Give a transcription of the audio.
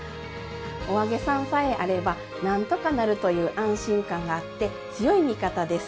お揚げさんさえあれば何とかなるという安心感があって強い味方です。